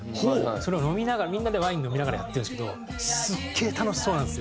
それを飲みながらみんなでワイン飲みながらやってるんですけどすげえ楽しそうなんですよ。